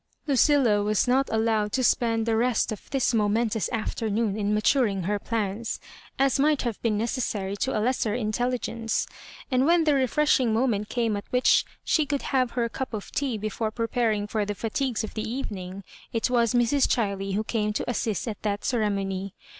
Lucilla was not allowed to spend the rest of this momentous afternoon in maturing her plans, ^ as might have been necessary to a lesser intelli * gence ; and when the refreshing moment came at which she could have her cup of tea before pre paring for the fatigues of the evening, it was Mrs. Chiley who came to assist at that ceremony.